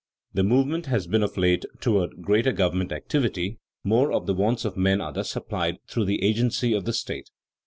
The movement has been of late toward greater government activity; more of the wants of men are thus supplied through the agency of the state.